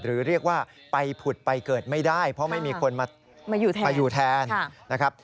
หรือเรียกว่าไปผุดไปเกิดไม่ได้เพราะไม่มีคนมาอยู่แทนนะครับ